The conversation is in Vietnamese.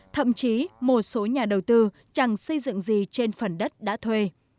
thậm chí một số nhà đầu tư chẳng xây dựng gì trên phần đất đã thuê